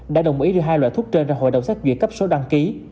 đã đồng ý đưa hai loại thuốc trên ra hội đồng xác duyệt cấp số đăng ký